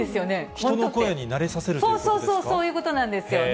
人の声に慣れさせるというこそうそう、そういうことなんですよね。